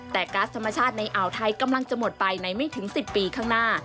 แต่ก๊าซธรรมชาติในอ่าวไทยกำลังจะหมดไปในไม่ถึง๑๐ปีข้างหน้า